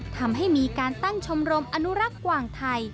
ทำให้มีการตั้งชมรมอนุรักษ์กว่างไทย